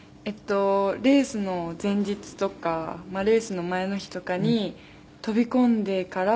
レースの前日とかレースの前の日とかに飛び込んでから。